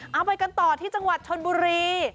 เอาไปกันต่อที่จังหวัดชนบุรี